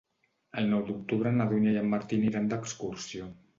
El nou d'octubre na Dúnia i en Martí aniran d'excursió.